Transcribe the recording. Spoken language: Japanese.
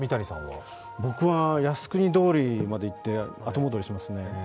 僕は靖国通りまで行って後戻りしますね。